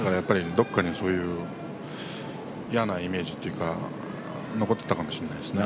どっかにそういう嫌なイメージというか残っていたかもしれませんね